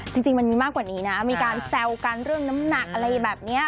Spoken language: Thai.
จริงมันมีมากกว่านี้นะมีการแซวกันเรื่องน้ำหนักอะไรแบบนี้